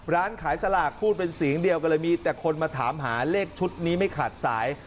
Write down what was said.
ร้านขายสลากพูดเป็นเสียงเดียวกันเลยมีแต่คนมาถามหาเลขชุดนี้ไม่ขาดสาย